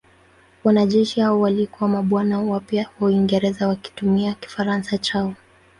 Wanajeshi hao walikuwa mabwana wapya wa Uingereza wakitumia Kifaransa chao.